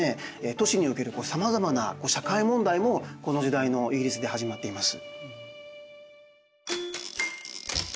都市におけるさまざまな社会問題もこの時代のイギリスで始まっています。